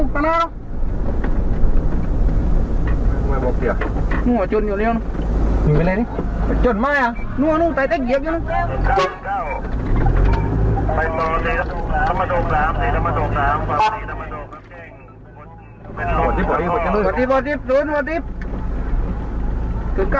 แปลกความแอบหนึ่ง